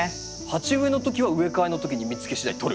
「鉢植えの時は植え替えの時に見つけしだい取る」ですよね。